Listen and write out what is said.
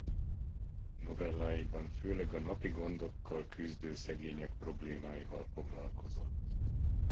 Novelláiban főleg a napi gondokkal küzdő szegények problémáival foglalkozott.